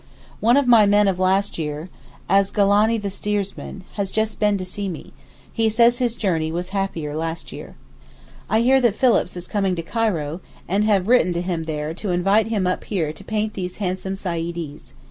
One of my men of last year, Asgalani the steersman, has just been to see me; he says his journey was happier last year. I hear that Phillips is coming to Cairo, and have written to him there to invite him up here to paint these handsome Saeedees.